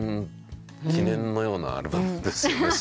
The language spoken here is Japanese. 記念のようなアルバムですよね。